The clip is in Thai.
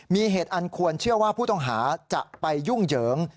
มีเหตุอันควรเชื่อว่าผู้ต้องหาจะไปยุ่งเหยิง